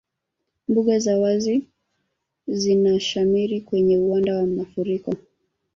Mbuga za wazi zinashamiri kwenye uwanda wa mafuriko